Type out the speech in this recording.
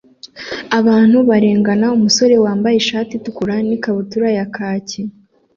Abantu barengana umusore wambaye ishati itukura na ikabutura ya khaki